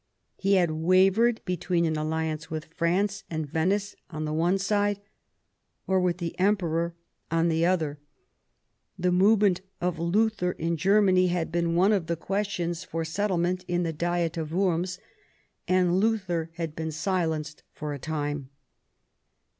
He had wavered between an alliance with France and Venice on the one side, or with the Emperor on the other. The movement of Luther in Germany had been one of the questions for 74 THOMAS WOLSEY chap. settlement in the Diet of Worms, and Luther had been silenced for a time.